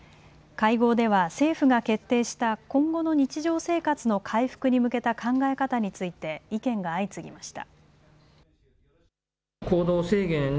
会合では政府が決定した今後の日常生活の回復に向けた考え方について意見が相次ぎました。